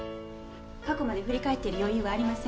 過去まで振り返っている余裕はありません。